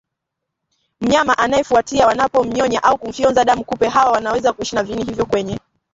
mnyama anayefuatia wanapomnyonya au kufyonza damu Kupe hawa wanaweza kuishi na viini hivyo kwenye